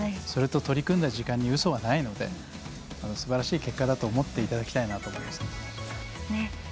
それと、取り組んだ時間にうそはないのですばらしい結果だと思っていただきたいなと思います。